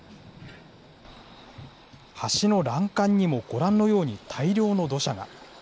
橋の欄干にもご覧のように、大量の土砂が。